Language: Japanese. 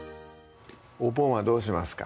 お盆はどうしますか？